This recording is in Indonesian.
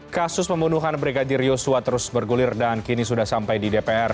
kasus pembunuhan brigadir yosua terus bergulir dan kini sudah sampai di dpr